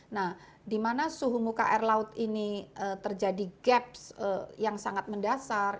nah dimana suhu muka air laut ini terjadi gap yang sangat mendasar